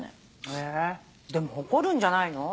えでも怒るんじゃないの？